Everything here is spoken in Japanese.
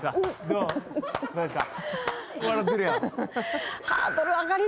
どうですか？